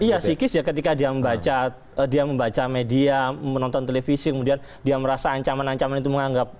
iya psikis ya ketika dia membaca media menonton televisi kemudian dia merasa ancaman ancaman itu menganggap